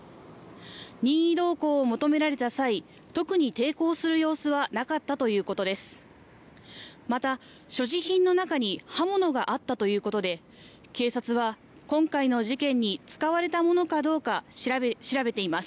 任意同行を求められた際、特に抵抗する様子はなかったということです。